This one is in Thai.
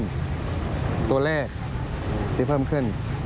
เราที่เติมเท่าหาตัวเลขที่เพิ่มขึ้น